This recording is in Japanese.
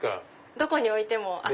どこに置いても明るく。